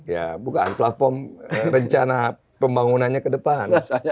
ya bukaan platform rencana pembangunannya ke depan